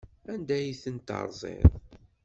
Anda ay ten-terẓiḍ?